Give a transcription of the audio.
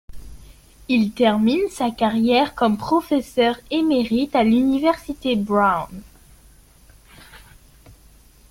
Il termine sa carrière comme professeur émérite à l'université Brown.